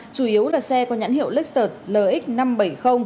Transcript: chủ yếu là xe có nhãn hiệu lixert lx năm trăm bảy mươi